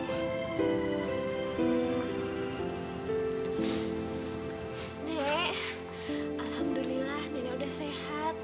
dek alhamdulillah nenek udah sehat